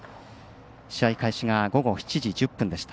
試合開始が午後７時１０分でした。